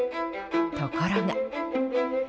ところが。